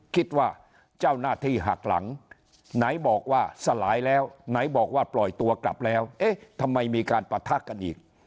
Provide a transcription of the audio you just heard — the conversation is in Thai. คิดว่าเจ้าหน้าที่หักหลังไหนบอกว่าสลายแล้วไหนบอกว่าปล่อยตัวกลับแล้วเอ๊ะทำไมมีการปะทะกันอีก